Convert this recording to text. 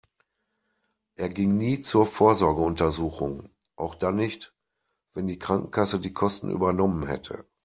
Er ging nie zur Vorsorgeuntersuchung, auch dann nicht, wenn die Krankenkasse die Kosten übernommen hätte.